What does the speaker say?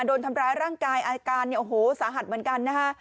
โดนทำร้ายร่างกายอาการเนี่ยโอ้โหสาหัสเหมือนกันนะฮะ